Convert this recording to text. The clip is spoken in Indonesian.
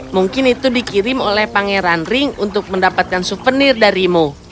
mungkin itu dikirim oleh pangeran ring untuk mendapatkan souvenir darimu